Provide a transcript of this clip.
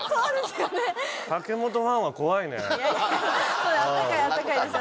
すごいあったかいあったかいです